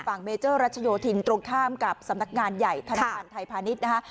เมเจอร์รัชโยธินตรงข้ามกับสำนักงานใหญ่ธนาคารไทยพาณิชย์นะคะ